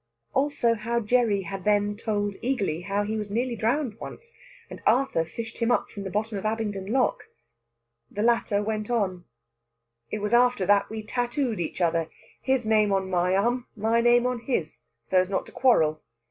Also how Gerry had then told eagerly how he was nearly drowned once, and Arthur fished him up from the bottom of Abingdon Lock. The latter went on: "It was after that we tattooed each other, his name on my arm, my name on his, so as not to quarrel.